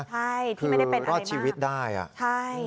ใช่ที่ไม่ได้เป็นอะไรรอดชีวิตได้อ่ะใช่